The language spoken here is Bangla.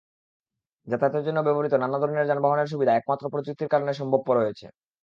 যাতায়াতের জন্য ব্যবহূত নানা ধরনের যানবাহনের সুবিধা একমাত্র প্রযুক্তির কারণে সম্ভবপর হয়েছে।